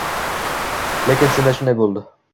Lekin senda shunday bo’ldi